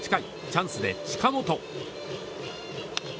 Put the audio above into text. チャンスで近本。